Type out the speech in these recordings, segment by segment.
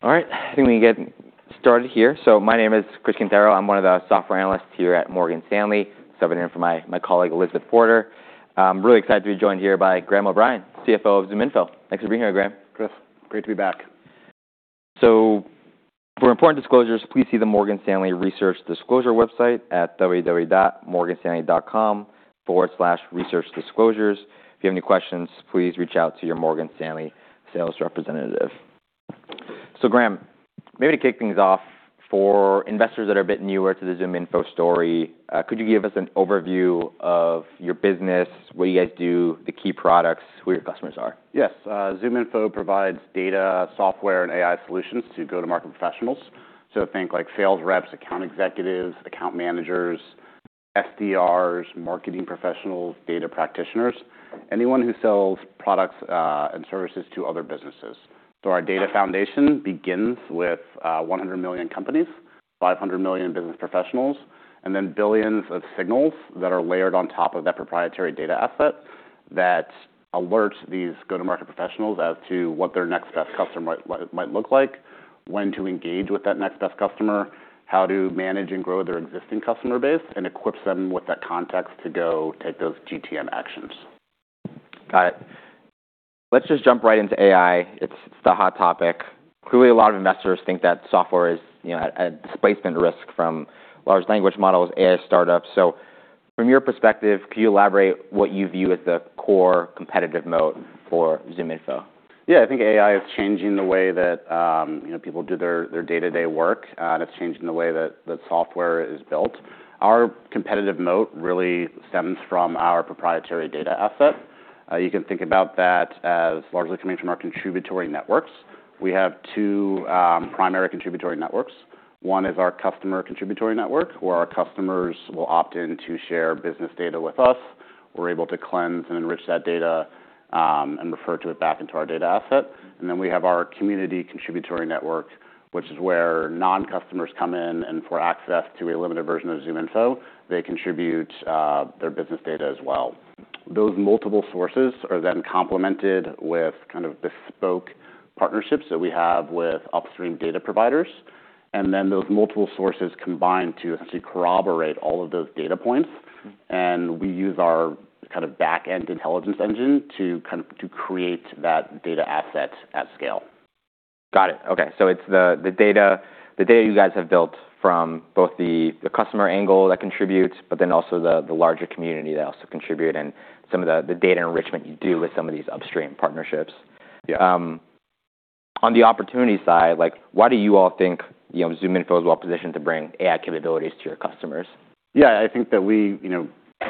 All right, I think we can get started here. My name is Chris Quintero. I'm one of the Software Analysts here at Morgan Stanley. Subbing in for my colleague, Elizabeth Porter. Really excited to be joined here by Graham O'Brien, CFO of ZoomInfo. Thanks for being here, Graham. Chris, great to be back. For important disclosures, please see the Morgan Stanley research disclosure website at www.morganstanley.com/researchdisclosures. If you have any questions, please reach out to your Morgan Stanley sales representative. Graham, maybe to kick things off, for investors that are a bit newer to the ZoomInfo story, could you give us an overview of your business, what you guys do, the key products, who your customers are? Yes. ZoomInfo provides data software and AI solutions to go-to-market professionals. Think like sales reps, account executives, account managers, SDRs, marketing professionals, data practitioners, anyone who sells products and services to other businesses. Our data foundation begins with 100 million companies, 500 million business professionals, and then billions of signals that are layered on top of that proprietary data asset that alerts these go-to-market professionals as to what their next best customer might look like, when to engage with that next best customer, how to manage and grow their existing customer base, and equips them with that context to go take those GTM actions. Got it. Let's just jump right into AI. It's the hot topic. Clearly, a lot of investors think that software is, you know, at displacement risk from large language models, AI startups. From your perspective, could you elaborate what you view as the core competitive moat for ZoomInfo? Yeah. I think AI is changing the way that, you know, people do their day-to-day work, and it's changing the way that software is built. Our competitive moat really stems from our proprietary data asset. You can think about that as largely coming from our contributory networks. We have two primary contributory networks. One is our customer contributory network, where our customers will opt in to share business data with us. We're able to cleanse and enrich that data and refer to it back into our data asset. We have our community contributory network, which is where non-customers come in, and for access to a limited version of ZoomInfo, they contribute their business data as well. Those multiple sources are then complemented with kind of bespoke partnerships that we have with upstream data providers, and then those multiple sources combine to essentially corroborate all of those data points. We use our kind of backend intelligence engine to create that data asset at scale. Got it. Okay. It's the data you guys have built from both the customer angle that contributes, but also the larger community that also contribute and some of the data enrichment you do with some of these upstream partnerships. Yeah. On the opportunity side, like, why do you all think, you know, ZoomInfo is well-positioned to bring AI capabilities to your customers? Yeah. I think that we, you know,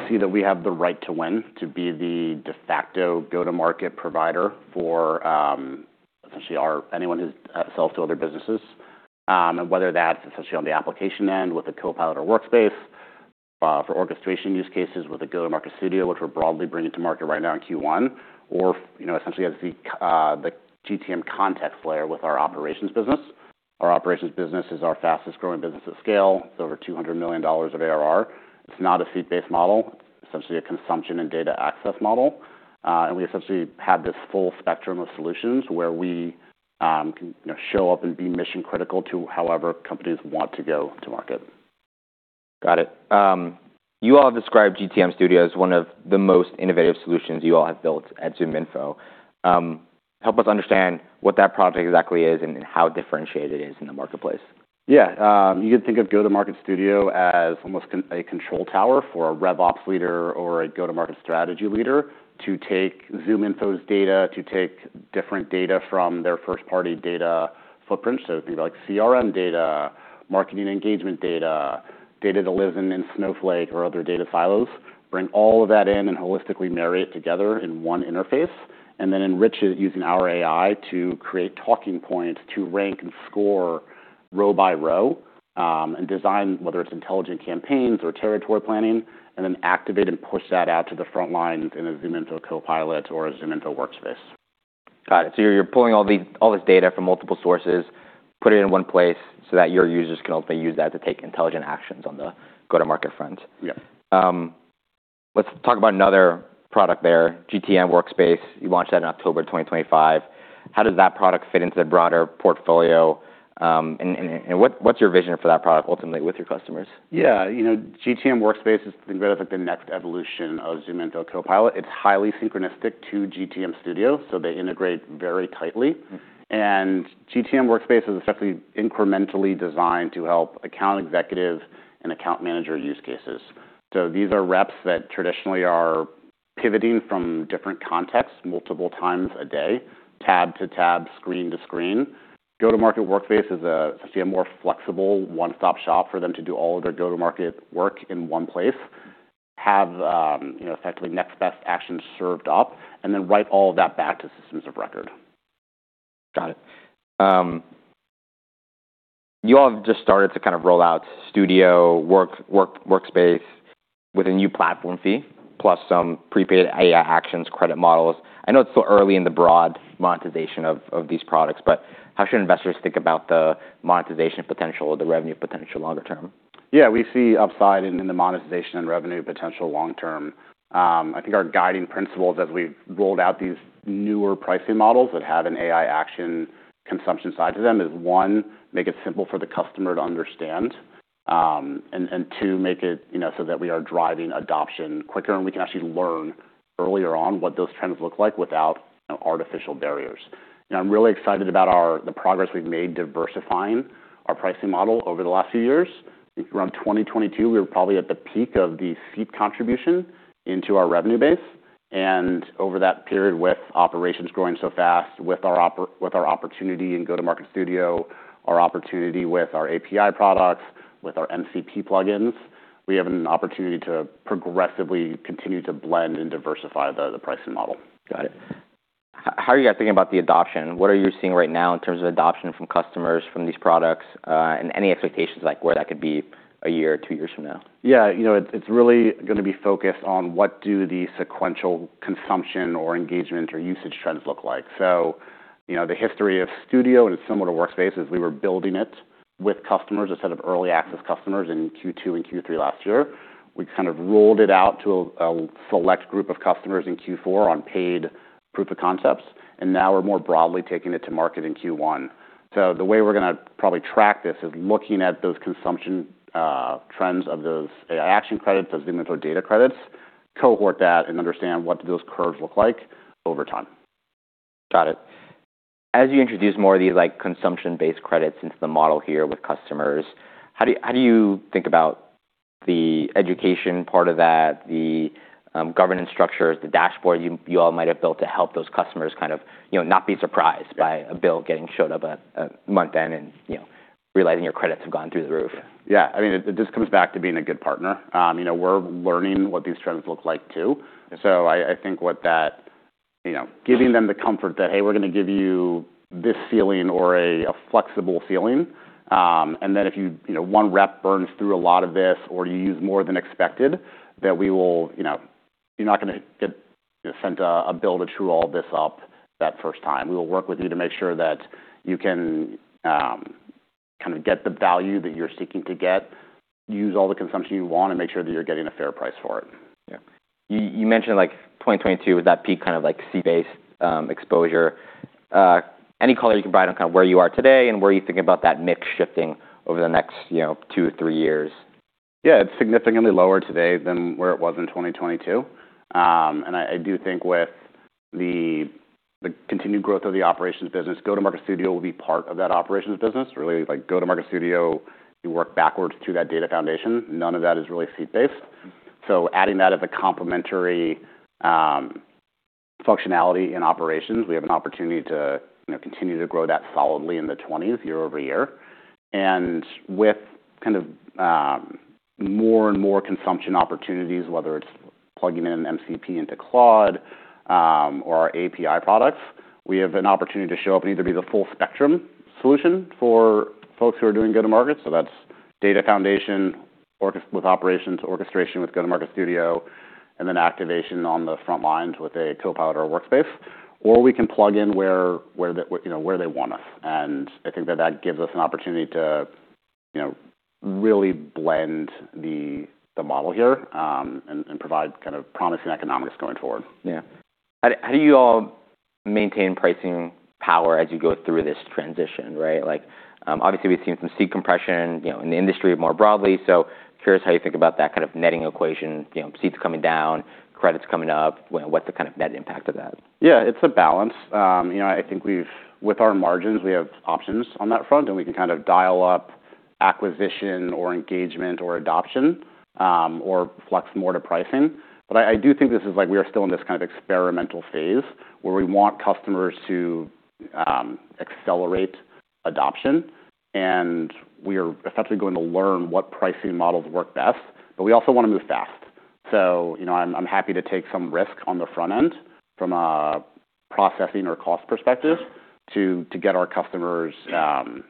see that we have the right to win to be the de facto go-to-market provider for, essentially anyone who sells to other businesses. Whether that's essentially on the application end with a Copilot or Workspace, for orchestration use cases with a Go-to-Market Studio, which we're broadly bringing to market right now in Q1, or you know, essentially as the GTM context layer with our operations business. Our operations business is our fastest-growing business at scale. It's over $200 million of ARR. It's not a seat-based model, it's essentially a consumption and data access model. We essentially have this full spectrum of solutions where we, can, you know, show up and be mission-critical to however companies want to go to market. Got it. You all have described GTM Studio as one of the most innovative solutions you all have built at ZoomInfo. Help us understand what that product exactly is and how differentiated it is in the marketplace. Yeah. You could think of Go-to-Market Studio as almost a control tower for a RevOps leader or a go-to-market strategy leader to take ZoomInfo's data, to take different data from their first-party data footprint. Think about like CRM data, marketing engagement data that lives in Snowflake or other data silos, bring all of that in and holistically marry it together in one interface, and then enrich it using our AI to create talking points to rank and score row by row, and design, whether it's intelligent campaigns or territory planning, and then activate and push that out to the front line in a ZoomInfo Copilot or a ZoomInfo Workspace. Got it. You're pulling all this data from multiple sources, put it in one place so that your users can hopefully use that to take intelligent actions on the go-to-market front. Yeah. Let's talk about another product there, GTM Workspace. You launched that in October 2025. How does that product fit into the broader portfolio? What's your vision for that product ultimately with your customers? Yeah. You know, GTM Workspace is think of it like the next evolution of ZoomInfo Copilot. It's highly synchronistic to GTM Studio, so they integrate very tightly. GTM Workspace is essentially incrementally designed to help account executive and account manager use cases. These are reps that traditionally are pivoting from different contexts multiple times a day, tab to tab, screen to screen. Go-to-Market Workspace is a, essentially a more flexible one-stop shop for them to do all of their go-to-market work in one place, have, you know, effectively next best actions served up, and then write all of that back to systems of record. Got it. You all have just started to kind of roll out Studio Workspace with a new platform fee plus some prepaid AI actions credit models. I know it's still early in the broad monetization of these products. How should investors think about the monetization potential or the revenue potential longer term? Yeah. We see upside in the monetization and revenue potential long term. I think our guiding principles as we've rolled out these newer pricing models that have an AI action consumption side to them is, one, make it simple for the customer to understand. And to make it, you know, so that we are driving adoption quicker, and we can actually learn earlier on what those trends look like without artificial barriers. I'm really excited about the progress we've made diversifying our pricing model over the last few years. Around 2022, we were probably at the peak of the seat contribution into our revenue base, and over that period, with operations growing so fast, with our opportunity in Go-to-Market Studio, our opportunity with our API products, with our MCP plugins, we have an opportunity to progressively continue to blend and diversify the pricing model. Got it. How are you guys thinking about the adoption? What are you seeing right now in terms of adoption from customers from these products, and any expectations like where that could be a year, two years from now? You know, it's really going to be focused on what do the sequential consumption or engagement or usage trends look like. You know, the history of Studio, and it's similar to Workspace, is we were building it with customers, a set of early access customers in Q2 and Q3 last year. We kind of rolled it out to a select group of customers in Q4 on paid proof of concepts, and now we're more broadly taking it to market in Q1. The way we're going to probably track this is looking at those consumption trends of those AI action credits, those inventory data credits, cohort that, and understand what do those curves look like over time. Got it. As you introduce more of these, like, consumption-based credits into the model here with customers, how do you think about the education part of that, the governance structures, the dashboard you all might have built to help those customers kind of, you know, not be surprised-? Yeah. by a bill getting showed up at month-end and, you know, realizing your credits have gone through the roof? Yeah. I mean, it just comes back to being a good partner. You know, we're learning what these trends look like too. I think You know, giving them the comfort that, "Hey, we're going give you this ceiling or a flexible ceiling, and then if you know, one rep burns through a lot of this or you use more than expected, that we will, you know, you're not going to get, you know, sent a bill to chew all this up that first time. We will work with you to make sure that you can kind of get the value that you're seeking to get, use all the consumption you want, and make sure that you're getting a fair price for it." Yeah. You mentioned, like, 2022 with that peak kind of, like, seat-based exposure, any color you can provide on kind of where you are today, and where are you thinking about that mix shifting over the next, you know, two to three years? Yeah. It's significantly lower today than where it was in 2022. I do think with the continued growth of the operations business, Go-to-Market Studio will be part of that operations business. Like, Go-to-Market Studio, you work backwards through that data foundation. None of that is really seat-based. Adding that as a complementary functionality in operations, we have an opportunity to, you know, continue to grow that solidly in the 20s year-over-year. With kind of more and more consumption opportunities, whether it's plugging in an MCP into Claude, or our API products, we have an opportunity to show up and either be the full spectrum solution for folks who are doing go-to-market, so that's data foundation operations, orchestration with Go-to-Market Studio, and then activation on the front lines with a Copilot or a Workspace, or we can plug in where the, you know, where they want us. I think that that gives us an opportunity to, you know, really blend the model here, and provide kind of promising economics going forward. How do you all maintain pricing power as you go through this transition, right? Like, obviously, we've seen some seat compression, you know, in the industry more broadly, so curious how you think about that kind of netting equation. You know, seats coming down, credits coming up. What, what's the kind of net impact of that? Yeah. It's a balance. You know, I think with our margins, we have options on that front, and we can kind of dial up acquisition or engagement or adoption, or flex more to pricing. I do think this is like we are still in this kind of experimental phase where we want customers to accelerate adoption, and we are effectively going to learn what pricing models work best, but we also wanna move fast. You know, I'm happy to take some risk on the front end from a processing or cost perspective to get our customers, you know,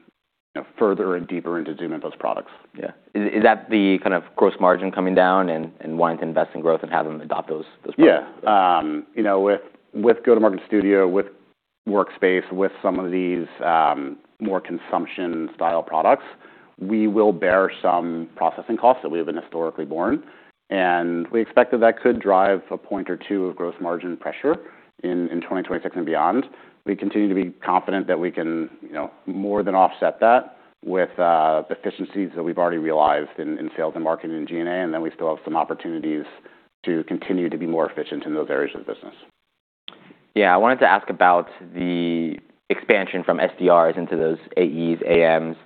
further and deeper into ZoomInfo and those products. Yeah. Is that the kind of gross margin coming down and wanting to invest in growth and have them adopt those products? Yeah. You know, with Go-to-Market Studio, with Workspace, with some of these, more consumption style products, we will bear some processing costs that we have been historically borne, and we expect that that could drive a point or two of gross margin pressure in 2026 and beyond. We continue to be confident that we can, you know, more than offset that with the efficiencies that we've already realized in sales and marketing and G&A. We still have some opportunities to continue to be more efficient in those areas of the business. Yeah. I wanted to ask about the expansion from SDRs into those AEs, AMs.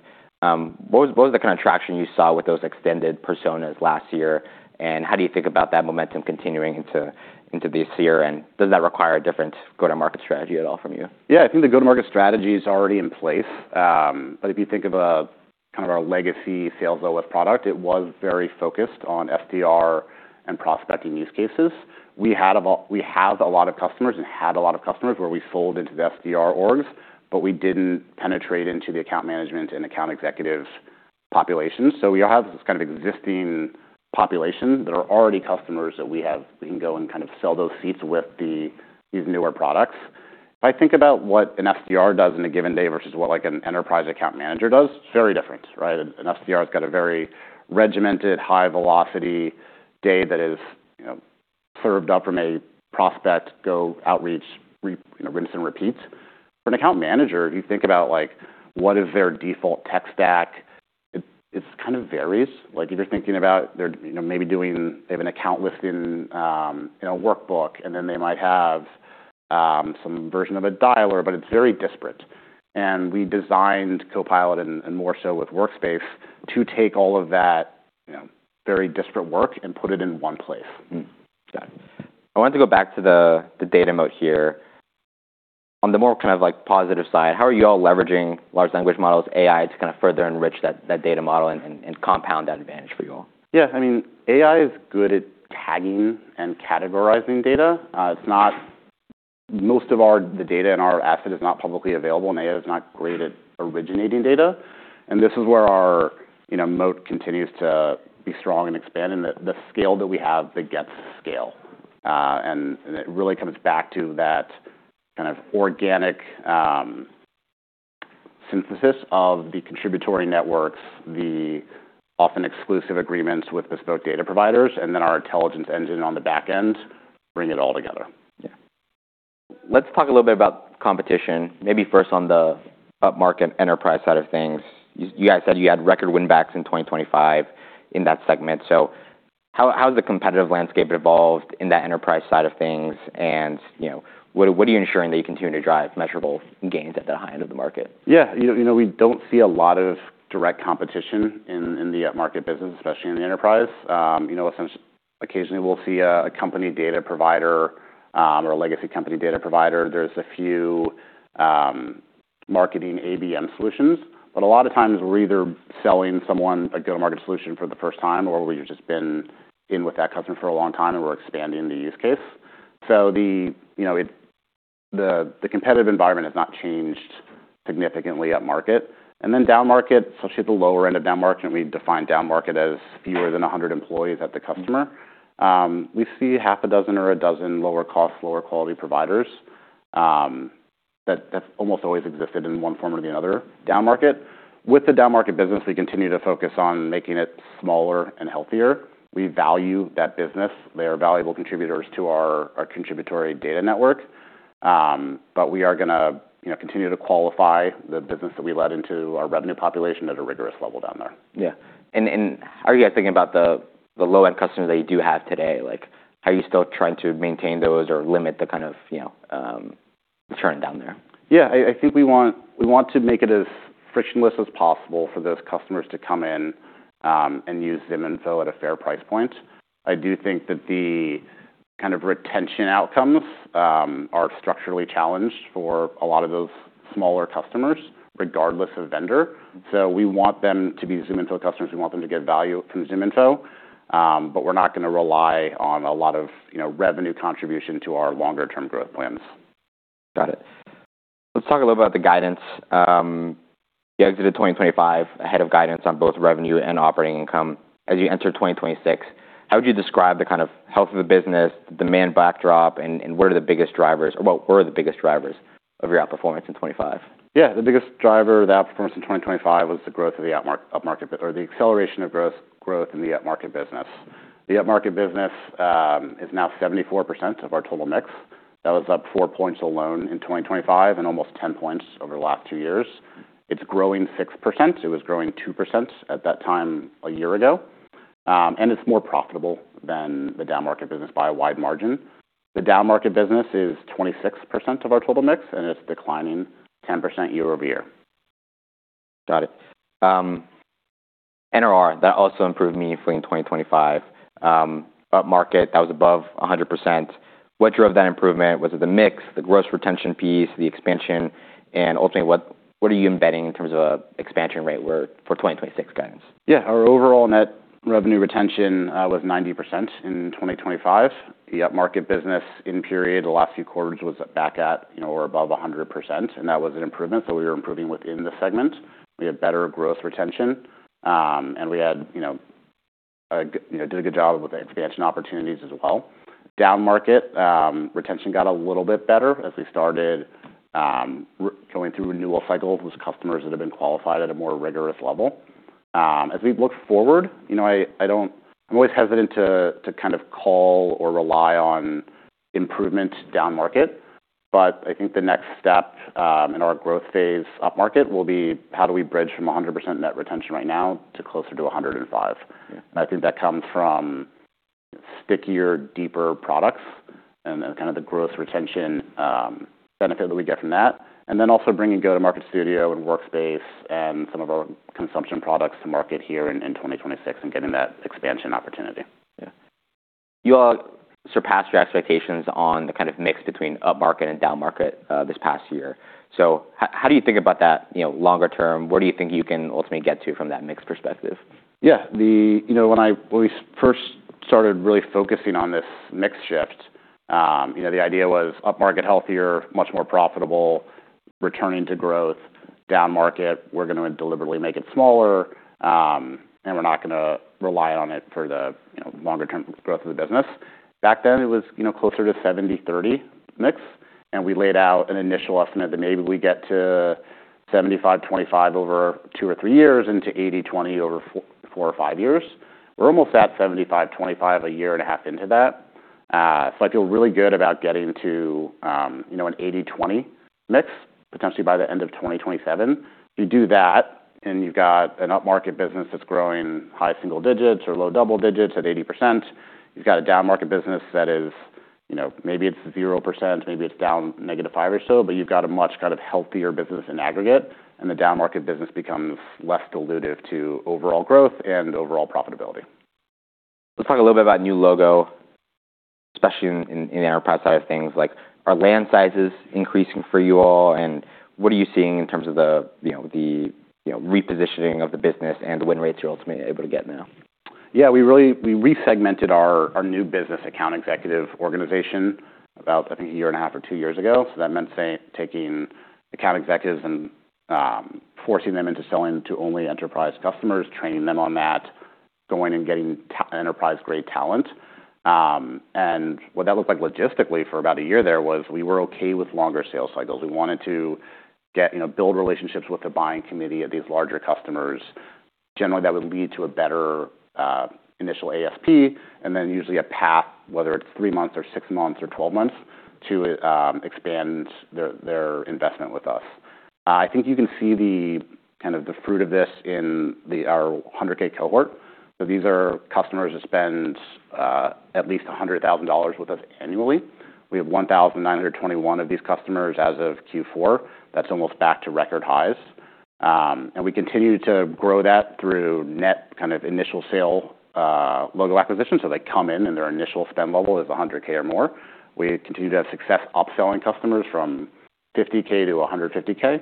What was the kind of traction you saw with those extended personas last year, and how do you think about that momentum continuing into this year, and does that require a different go-to-market strategy at all from you? Yeah. I think the go-to-market strategy is already in place. If you think of kind of our legacy SalesOS product, it was very focused on SDR and prospecting use cases. We have a lot of customers and had a lot of customers where we sold into the SDR orgs, but we didn't penetrate into the account management and account executive populations. We have this kind of existing population that are already customers that we have. We can go and kind of sell those seats with these newer products. If I think about what an SDR does in a given day versus what, like, an enterprise account manager does, it's very different, right? An SDR has got a very regimented, high velocity day that is, you know. Served up from a prospect, go outreach you know, rinse and repeat. For an account manager, if you think about, like, what is their default tech stack, it kind of varies. Like, if you're thinking about they're, you know, maybe They have an account within, you know, workbook, and then they might have some version of a dialer, but it's very disparate. We designed Copilot and more so with Workspace to take all of that, you know, very disparate work and put it in one place. Got it. I wanted to go back to the data moat here. On the more kind of, like, positive side, how are you all leveraging large language models, AI, to kind of further enrich that data model and compound that advantage for you all? Yeah, I mean, AI is good at tagging and categorizing data. Most of our the data in our asset is not publicly available, and AI is not great at originating data. This is where our, you know, moat continues to be strong and expand, and the scale that we have, that gets scale. It really comes back to that kind of organic synthesis of the contributory networks, the often exclusive agreements with bespoke data providers, and then our intelligence engine on the back end bring it all together. Yeah. Let's talk a little bit about competition, maybe first on the upmarket enterprise side of things. You guys said you had record win backs in 2025 in that segment. How has the competitive landscape evolved in that enterprise side of things? You know, what are you ensuring that you continue to drive measurable gains at the high end of the market? Yeah. You know, we don't see a lot of direct competition in the upmarket business, especially in the enterprise. You know, occasionally we'll see a company data provider, or a legacy company data provider. There's a few marketing ABM solutions, but a lot of times we're either selling someone a go-to-market solution for the first time, or we've just been in with that customer for a long time, and we're expanding the use case. The, you know, the competitive environment has not changed significantly upmarket. Downmarket, especially at the lower end of downmarket, we define downmarket as fewer than 100 employees at the customer. We see half a dozen or a dozen lower cost, lower quality providers, that's almost always existed in one form or the other downmarket. With the downmarket business, we continue to focus on making it smaller and healthier. We value that business. They are valuable contributors to our contributory data network. We are going to, you know, continue to qualify the business that we let into our revenue population at a rigorous level down there. Yeah. How are you guys thinking about the low-end customers that you do have today? Like, are you still trying to maintain those or limit the kind of, you know, churn down there? Yeah. I think we want to make it as frictionless as possible for those customers to come in and use ZoomInfo at a fair price point. I do think that the kind of retention outcomes are structurally challenged for a lot of those smaller customers, regardless of vendor. We want them to be ZoomInfo customers. We want them to get value from ZoomInfo, but we're not going to rely on a lot of, you know, revenue contribution to our longer term growth plans. Got it. Let's talk a little about the guidance. You exited 2025 ahead of guidance on both revenue and operating income. As you enter 2026, how would you describe the kind of health of the business, the demand backdrop, and what are the biggest drivers or what were the biggest drivers of your outperformance in 2025? The biggest driver of outperformance in 2025 was the acceleration of growth in the upmarket business. The upmarket business is now 74% of our total mix. That was up four points alone in 2025 and almost 10 points over the last two years. It's growing 6%. It was growing 2% at that time a year ago. It's more profitable than the downmarket business by a wide margin. The downmarket business is 26% of our total mix, and it's declining 10% year-over-year. Got it. NRR, that also improved meaningfully in 2025. Upmarket, that was above 100%. What drove that improvement? Was it the mix, the gross retention piece, the expansion? Ultimately, what are you embedding in terms of expansion rate for 2026 guidance? Yeah. Our overall net revenue retention was 90% in 2025. The upmarket business in period the last few quarters was back at, you know, or above 100%, and that was an improvement. We were improving within the segment. We had better growth retention, and we had, you know, a you know, did a good job with expansion opportunities as well. Downmarket, retention got a little bit better as we started going through renewal cycles with customers that have been qualified at a more rigorous level. As we look forward, you know, I don't... I'm always hesitant to kind of call or rely on improvement downmarket, but I think the next step in our growth phase upmarket will be how do we bridge from 100% net retention right now to closer to 105. Yeah. I think that comes from stickier, deeper products and kind of the gross retention benefit that we get from that, and then also bringing Go-to-Market Studio and Workspace and some of our consumption products to market here in 2026 and getting that expansion opportunity. Yeah. You all surpassed your expectations on the kind of mix between upmarket and downmarket, this past year. How do you think about that, you know, longer term? Where do you think you can ultimately get to from that mix perspective? Yeah. The... You know, when we first started really focusing on this mix shift, you know, the idea was upmarket, healthier, much more profitable, returning to growth. Downmarket, we're going to deliberately make it smaller, and we're no going to rely on it for the, you know, longer term growth of the business. Back then, it was, you know, closer to 70/30 mix. We laid out an initial estimate that maybe we get to 75/25 over two or three years into 80/20 over four or fivr years. We're almost at 75/25 a year and a half into that. I feel really good about getting to, you know, an 80/20 mix potentially by the end of 2027. If you do that and you've got an up-market business that's growing high single digits or low double digits at 80%, you've got a down-market business that is, you know, maybe it's 0%, maybe it's down -5% or so. You've got a much kind of healthier business in aggregate. The down-market business becomes less dilutive to overall growth and overall profitability. Let's talk a little bit about new logo, especially in the enterprise side of things. Like, are land sizes increasing for you all, and what are you seeing in terms of the, you know, the, you know, repositioning of the business and the win rates you're ultimately able to get now? Yeah, we really we resegmented our new business account executive organization about, I think, one and a half years or two years ago. That meant taking account executives and forcing them into selling to only enterprise customers, training them on that, going and getting enterprise-grade talent. What that looked like logistically for about 1 year there was we were okay with longer sales cycles. We wanted to get, you know, build relationships with the buying committee of these larger customers. Generally, that would lead to a better initial ASP, and then usually a path, whether it's three months or six months or 12 months to expand their investment with us. I think you can see the, kind of the fruit of this in the our $100K cohort. These are customers that spend at least $100,000 with us annually. We have 1,921 of these customers as of Q4. That's almost back to record highs. We continue to grow that through net kind of initial sale, logo acquisition. They come in, and their initial spend level is $100K or more. We continue to have success upselling customers from $50K to $150K.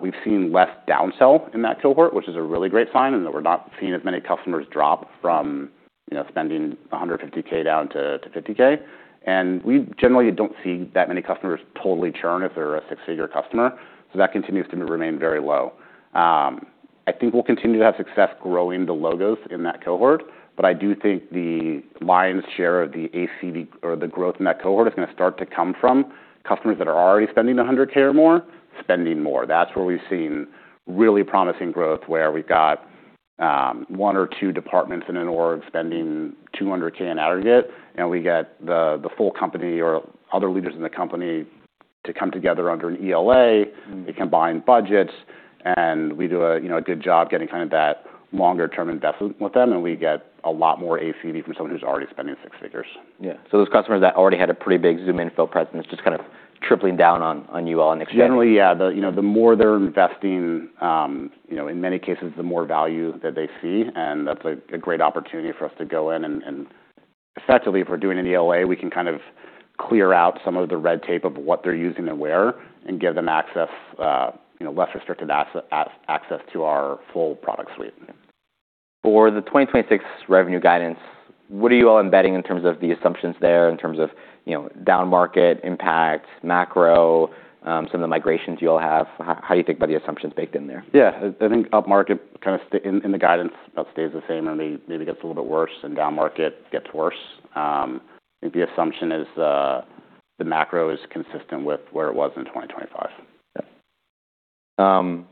We've seen less downsell in that cohort, which is a really great sign in that we're not seeing as many customers drop from, you know, spending $150K down to $50K. We generally don't see that many customers totally churn if they're a six-figure customer, so that continues to remain very low. I think we'll continue to have success growing the logos in that cohort, but I do think the lion's share of the ACV or the growth in that cohort is going to start to come from customers that are already spending $100K or more, spending more. That's where we've seen really promising growth, where we've got, one or two departments in an org spending $200K in aggregate, and we get the full company or other leaders in the company to come together under an ELA, they combine budgets, and we do a, you know, good job getting kind of that longer-term investment with them, and we get a lot more ACV from someone who's already spending six figures. Yeah. Those customers that already had a pretty big ZoomInfo presence just kind of tripling down on you all next year. Generally, yeah. You know, the more they're investing, you know, in many cases, the more value that they see, and that's a great opportunity for us to go in and Effectively, if we're doing an ELA, we can kind of clear out some of the red tape of what they're using and where, and give them access, you know, less restricted access to our full product suite. For the 2026 revenue guidance, what are you all embedding in terms of the assumptions there, in terms of, you know, down-market impact, macro, some of the migrations you'll have? How do you think about the assumptions baked in there? Yeah. I think up-market in the guidance stays the same or maybe gets a little bit worse, and down market gets worse. I think the assumption is the macro is consistent with where it was in 2025. Yep.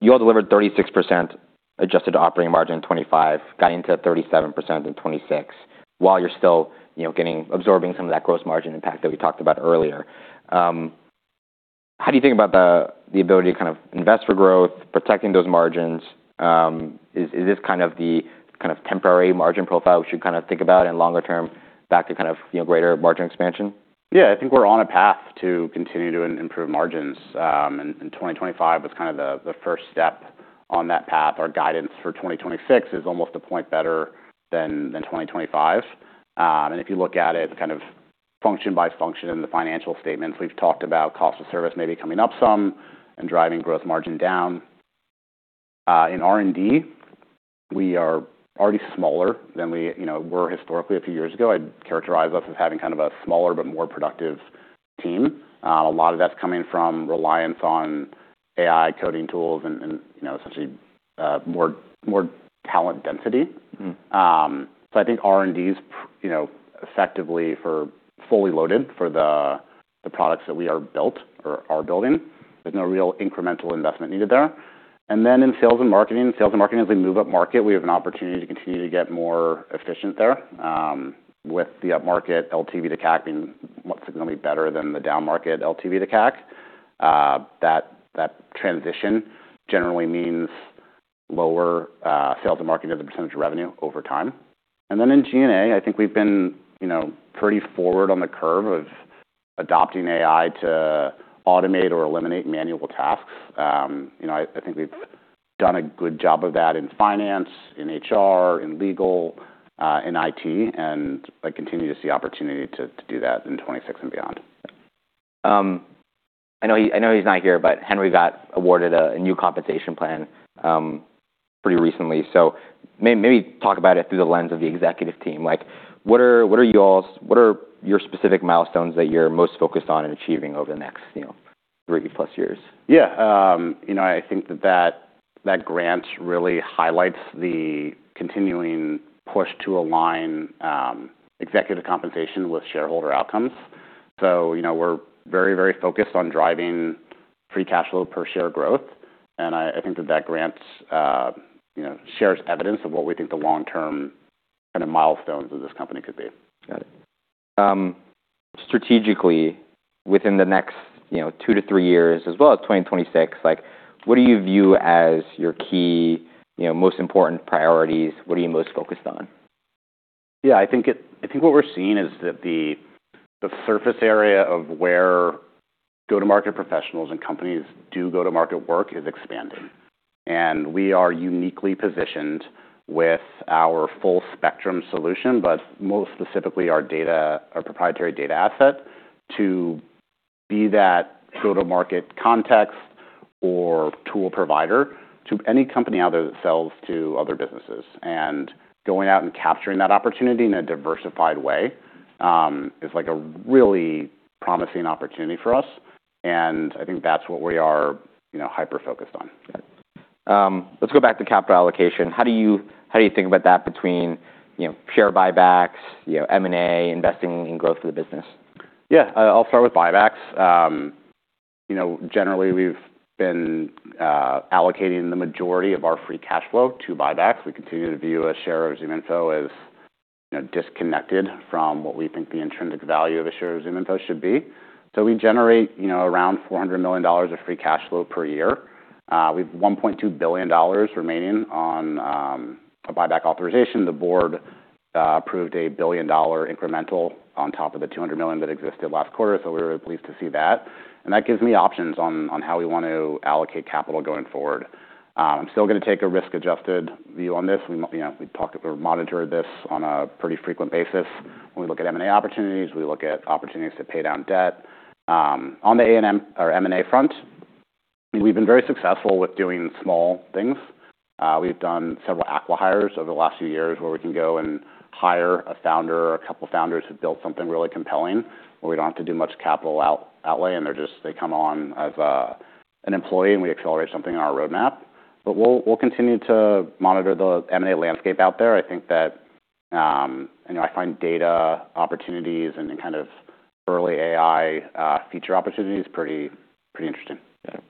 You all delivered 36% adjusted operating margin in 2025, got into 37% in 2026, while you're still, you know, absorbing some of that gross margin impact that we talked about earlier. How do you think about the ability to kind of invest for growth, protecting those margins? Is this kind of the temporary margin profile we should kind of think about in longer term back to kind of, you know, greater margin expansion? I think we're on a path to continue to improve margins, 2025 was kind of the first step on that path. Our guidance for 2026 is almost a point better than 2025. If you look at it kind of function by function in the financial statements, we've talked about cost of service maybe coming up some and driving growth margin down. In R&D, we are already smaller than we, you know, were historically a few years ago. I'd characterize us as having kind of a smaller but more productive team. A lot of that's coming from reliance on AI coding tools and, you know, essentially, more talent density. Mm-hmm. I think R&D's, you know, effectively fully loaded for the products that we are built or are building. There's no real incremental investment needed there. Then in sales and marketing, sales and marketing, as we move up market, we have an opportunity to continue to get more efficient there, with the upmarket LTV to CAC being significantly better than the downmarket LTV to CAC. That, that transition generally means lower sales and marketing as a % of revenue over time. Then in G&A, I think we've been, you know, pretty forward on the curve of adopting AI to automate or eliminate manual tasks. You know, I think we've done a good job of that in finance, in HR, in legal, in IT, and I continue to see opportunity to do that in 2026 and beyond. I know he, I know he's not here, but Henry got awarded a new compensation plan pretty recently. Maybe talk about it through the lens of the executive team. Like, what are your specific milestones that you're most focused on in achieving over the next, you know? Three plus years. Yeah. you know, I think that grant really highlights the continuing push to align executive compensation with shareholder outcomes. you know, we're very, very focused on driving free cash flow per share growth. I think that that grant, you know, shares evidence of what we think the long-term kind of milestones of this company could be. Got it. Strategically, within the next, you know, two to three years as well as 2026, like, what do you view as your key, you know, most important priorities? What are you most focused on? Yeah. I think what we're seeing is that the surface area of where go-to-market professionals and companies do go-to-market work is expanding. We are uniquely positioned with our full spectrum solution, but more specifically our data, our proprietary data asset, to be that go-to-market context or tool provider to any company out there that sells to other businesses. Going out and capturing that opportunity in a diversified way, is like a really promising opportunity for us. I think that's what we are, you know, hyper-focused on. Got it. Let's go back to capital allocation. How do you think about that between, you know, share buybacks, you know, M&A, investing in growth of the business? I'll start with buybacks. you know, generally, we've been allocating the majority of our free cash flow to buybacks. We continue to view a share of ZoomInfo as, you know, disconnected from what we think the intrinsic value of a share of ZoomInfo should be. We generate, you know, around $400 million of free cash flow per year. We've $1.2 billion remaining on a buyback authorization. The board approved a billion-dollar incremental on top of the $200 million that existed last quarter, we're pleased to see that. That gives me options on how we want to allocate capital going forward. I'm still going to take a risk-adjusted view on this. We you know, we talk or monitor this on a pretty frequent basis when we look at M&A opportunities, we look at opportunities to pay down debt. On the A&M or M&A front, we've been very successful with doing small things. We've done several acqui-hires over the last few years where we can go and hire a founder or a couple founders who built something really compelling, where we don't have to do much capital outlay, and they're just they come on as an employee, and we accelerate something in our roadmap. We'll continue to monitor the M&A landscape out there. I think that, you know, I find data opportunities and the kind of early AI feature opportunities pretty interesting. Yeah.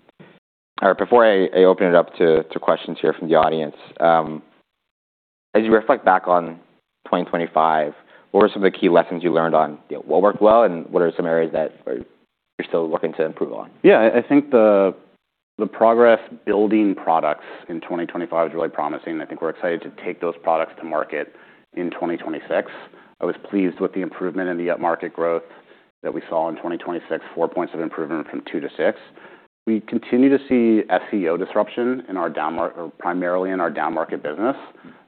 All right. Before I open it up to questions here from the audience, as you reflect back on 2025, what were some of the key lessons you learned on, you know, what worked well, and what are some areas that you're still looking to improve on? Yeah. I think the progress building products in 2025 was really promising. I think we're excited to take those products to market in 2026. I was pleased with the improvement in the up-market growth that we saw in 2026, four points of improvement from two to six. We continue to see macro disruption in our downmarket or primarily in our downmarket business.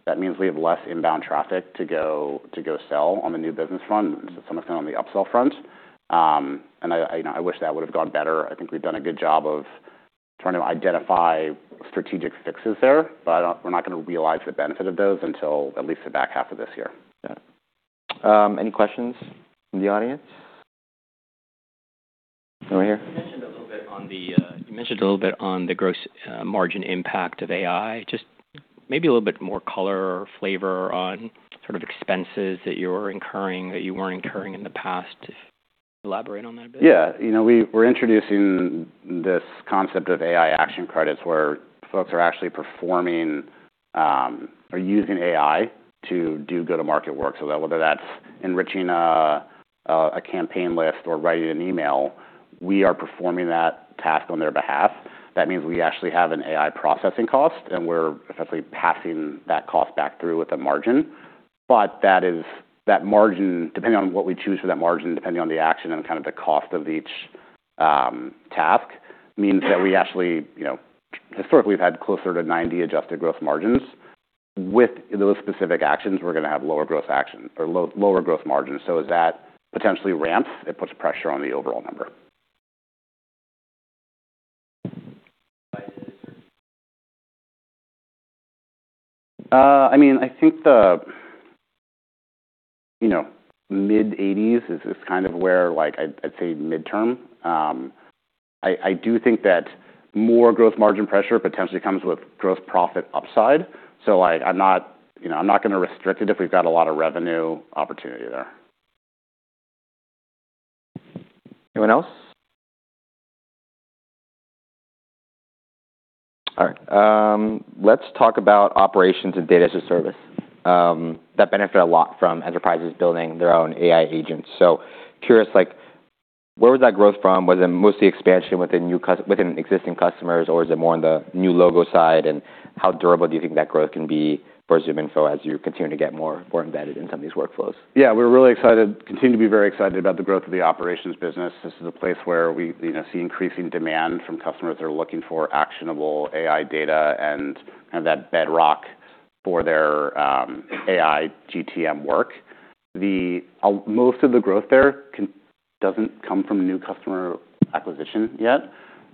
That means we have less inbound traffic to go sell on the new business front, some of it on the upsell front. I, you know, I wish that would have gone better. I think we've done a good job of trying to identify strategic fixes there, but we're not going to realize the benefit of those until at least the back half of this year. Yeah. Any questions from the audience? Over here. You mentioned a little bit on the gross margin impact of AI. Just maybe a little bit more color or flavor on sort of expenses that you're incurring that you weren't incurring in the past. Elaborate on that a bit. Yeah. You know, we're introducing this concept of AI action credits, where folks are actually performing, or using AI to do go-to-market work. That whether that's enriching a campaign list or writing an email, we are performing that task on their behalf. That means we actually have an AI processing cost, we're essentially passing that cost back through with the margin. That margin, depending on what we choose for that margin, depending on the action and kind of the cost of each task, means that we actually, you know, historically, we've had closer to 90% adjusted growth margins. With those specific actions, we're going to have lower growth action or lower growth margins. As that potentially ramps, it puts pressure on the overall number. I mean, I think the, you know, mid-80s is kind of where, like, I'd say midterm. I do think that more growth margin pressure potentially comes with growth profit upside. Like, I'm not, you know, I'm not going to restrict it if we've got a lot of revenue opportunity there. Anyone else? All right. Let's talk about operations and data as a service that benefit a lot from enterprises building their own AI agents. Curious, like, where was that growth from? Was it mostly expansion within existing customers, or is it more on the new logo side? How durable do you think that growth can be for ZoomInfo as you continue to get more embedded in some of these workflows? Yeah. We're really excited, continue to be very excited about the growth of the operations business. This is a place where we, you know, see increasing demand from customers that are looking for actionable AI data and kind of that bedrock for their AI GTM work. Most of the growth there doesn't come from new customer acquisition yet.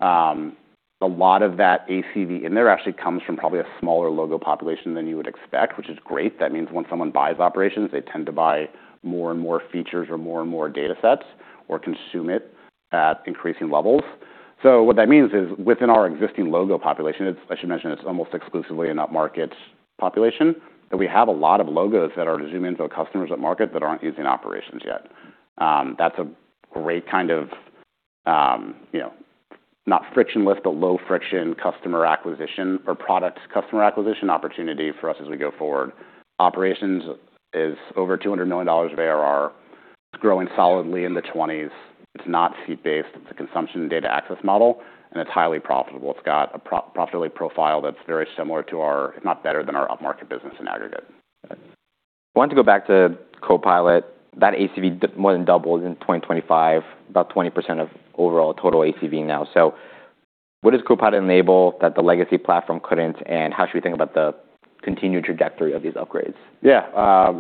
A lot of that ACV in there actually comes from probably a smaller logo population than you would expect, which is great. That means when someone buys operations, they tend to buy more and more features or more and more data sets or consume it at increasing levels. What that means is within our existing logo population, it's, I should mention, it's almost exclusively an up-market population, that we have a lot of logos that are ZoomInfo customers at market that aren't using operations yet. That's a great kind of, you know, not frictionless, but low-friction customer acquisition or product customer acquisition opportunity for us as we go forward. Operations is over $200 million of ARR. It's growing solidly in the 20s. It's not seat-based. It's a consumption data access model, and it's highly profitable. It's got a profitability profile that's very similar to our, if not better than our up-market business in aggregate. I want to go back to Copilot. That ACV more than doubled in 2025, about 20% of overall total ACV now. What does Copilot enable that the legacy platform couldn't, and how should we think about the continued trajectory of these upgrades?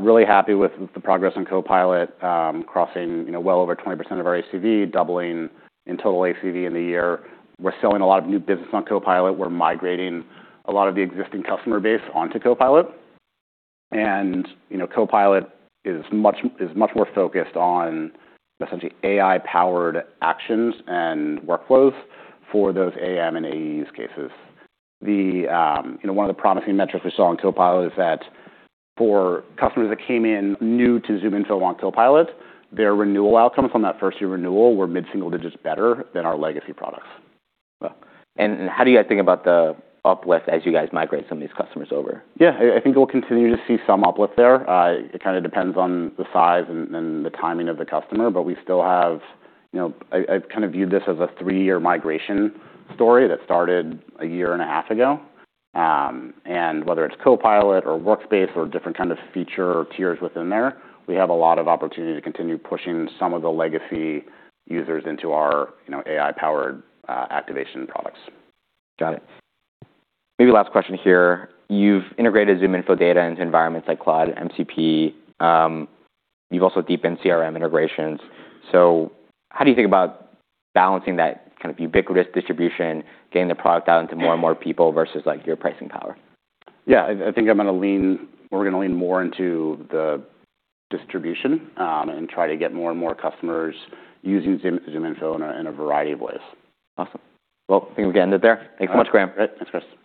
Really happy with the progress on Copilot, crossing, you know, well over 20% of our ACV, doubling in total ACV in the year. We're selling a lot of new business on Copilot. We're migrating a lot of the existing customer base onto Copilot. You know, Copilot is much more focused on essentially AI-powered actions and workflows for those AM and AE use cases. You know, one of the promising metrics we saw on Copilot is that for customers that came in new to ZoomInfo on Copilot, their renewal outcomes on that first-year renewal were mid-single digits better than our legacy products. Wow. How do you guys think about the uplift as you guys migrate some of these customers over? Yeah. I think we'll continue to see some uplift there. It kind of depends on the size and the timing of the customer, but we still have... You know, I kind of viewed this as a three-year migration story that started a year and a half ago. Whether it's Copilot or Workspace or different kind of feature tiers within there, we have a lot of opportunity to continue pushing some of the legacy users into our, you know, AI-powered activation products. Got it. Maybe last question here. You've integrated ZoomInfo data into environments like Claude, MCP. You've also deepened CRM integrations. How do you think about balancing that kind of ubiquitous distribution, getting the product out into more and more people versus, like, your pricing power? Yeah. We're going to lean more into the distribution and try to get more and more customers using ZoomInfo in a variety of ways. Awesome. Well, I think we can end it there. Thanks so much, Graham. All right. Thanks, Chris.